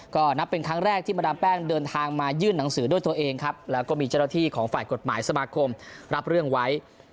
ก็นับเป็นครั้งแรกที่มาดามแป้งเดินทางมายื่นหนังสือด้วยตัวเองครับแล้วก็มีเจ้าหน้าที่ของฝ่ายกฎหมายสมาคมรับเรื่องไว้